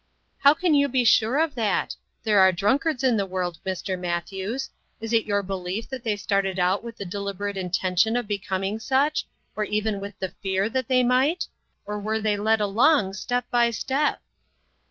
" How can you be sure of that ? There are drunkards in the world, Mr. Matthews ; is it your belief that they started out with the deliberate intention of becoming such, or even with the fear that they might? or were they led along step by step